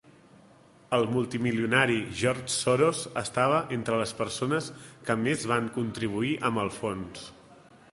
El multimilionari George Soros estava entre les persones que més van contribuir amb el fons.